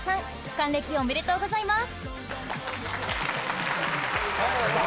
還暦おめでとうございます！